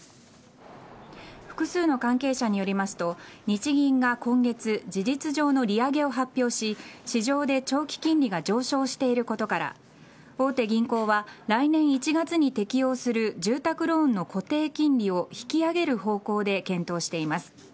複数の関係者によりますと日銀が今月事実上の利上げを発表し市場で長期金利が上昇していることから大手銀行は来年１月に適用する住宅ローンの固定金利を引き上げる方向で検討しています。